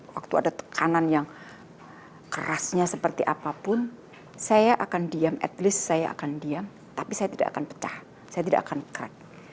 waktu ada tekanan yang kerasnya seperti apapun saya akan diam at least saya akan diam tapi saya tidak akan pecah saya tidak akan crack